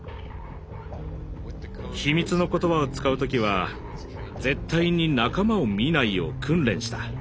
秘密の言葉を使う時は絶対に仲間を見ないよう訓練した。